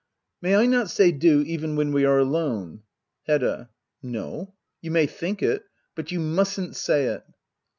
May I not say du even when we are alone ? Hedda. No. You may think it ; but you mustn't say it.